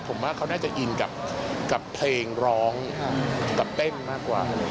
ผมว่าเขาน่าจะอินกับเพลงร้องกับเต้นมากกว่า